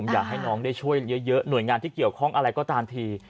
อยากให้น้องได้ช่วยเยอะหน่วยงานที่เกี่ยวข้องอะไรก็ตามที